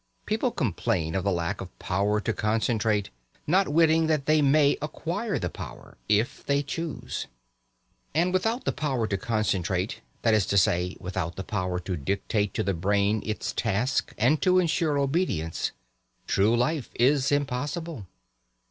People complain of the lack of power to concentrate, not witting that they may acquire the power, if they choose. And without the power to concentrate that is to say, without the power to dictate to the brain its task and to ensure obedience true life is impossible.